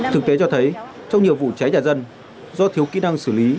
thực tế cho thấy trong nhiều vụ cháy nhà dân do thiếu kỹ năng xử lý